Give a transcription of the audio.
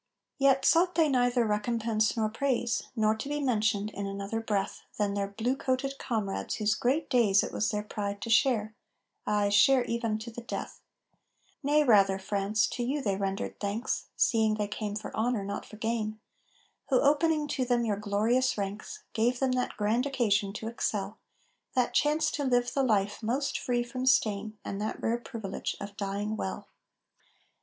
III Yet sought they neither recompense nor praise, Nor to be mentioned in another breath Than their blue coated comrades whose great days It was their pride to share ay, share even to the death! Nay, rather, France, to you they rendered thanks (Seeing they came for honor, not for gain), Who, opening to them your glorious ranks, Gave them that grand occasion to excel, That chance to live the life most free from stain And that rare privilege of dying well.